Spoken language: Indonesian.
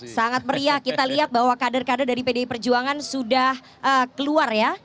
sangat meriah kita lihat bahwa kader kader dari pdi perjuangan sudah keluar ya